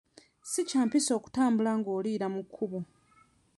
Si kya mpisa kutambula ng'oliira mu kkubo.